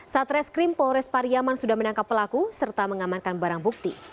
satreskrim polres pariyaman sudah menangkap pelaku serta mengamankan barang bukti